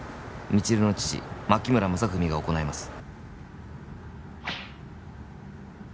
「未知留の父・牧村正文が行います」